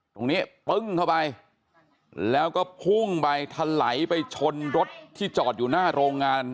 ปึ้งเข้าไปแล้วก็พุ่งไปทะไหลไปชนรถที่จอดอยู่หน้าโรงงาน